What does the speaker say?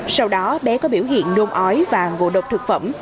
sau đó bé có biểu hiện nôn ói và ngộ độc thực phẩm